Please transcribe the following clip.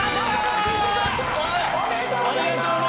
おめでとうございます。